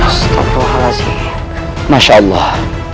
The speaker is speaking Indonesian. astagfirullahaladzim masya allah